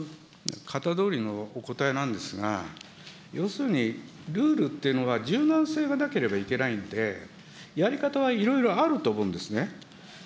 型どおりのお答えなんですが、要するに、ルールっていうのは、柔軟性がなければいけないんで、やり方はいろいろあると思うんですね。